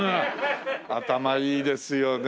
頭いいですよね。